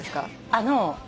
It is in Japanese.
あの。